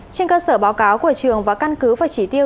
trên cơ sở báo cáo của trường và căn cứ và chỉ tiêu